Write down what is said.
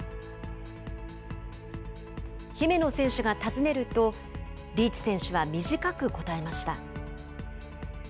姫野選手が尋ねると、リーチ選手は短く答えました。